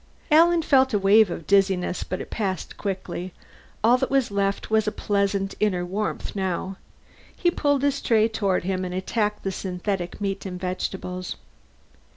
Alan felt a wave of dizziness, but it passed quickly; all that was left was a pleasant inner warmth, now. He pulled his tray toward him and attacked the synthetic meat and vegetables.